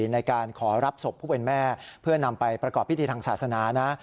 ในการขอรับศพผู้เป็นแม่เพื่อนำไปประกอบพิธีทางศาสนานะ